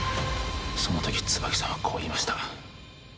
その時椿さんはこう言いました